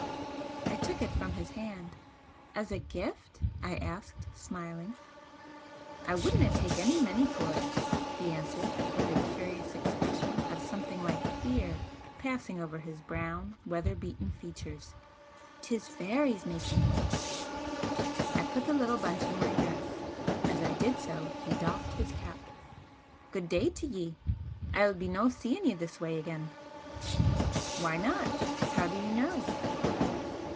I took it from his hand. "As a gift?" I asked, smiling. "I wadna tak ony money for't," he answered, with a curious expression of something like fear passing over his brown, weather beaten features "'Tis fairies' making." I put the little bunch in my dress. As I did so, he doffed his cap. "Good day t'ye! I'll be no seein' ye this way again!" "Why not? How do you know?"